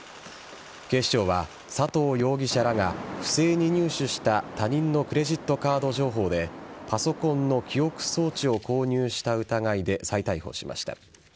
警視庁は、佐藤容疑者らが不正に入手した他人のクレジットカード情報でパソコンの記憶装置を購入した疑いで再逮捕しました。